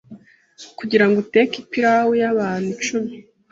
kugirango uteke ipilawu y'abantu icumi